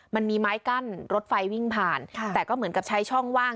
มันมีไม้กั้นรถไฟวิ่งผ่านแต่ก็เหมือนกับใช้ช่องว่าง